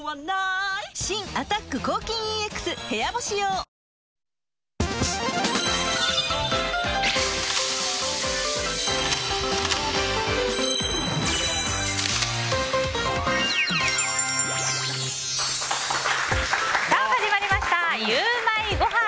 新「アタック抗菌ＥＸ部屋干し用」さあ、始まりましたゆウマいごはん。